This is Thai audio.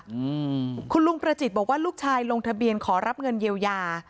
อืมคุณลุงประจิตบอกว่าลูกชายลงทะเบียนขอรับเงินเยียวยา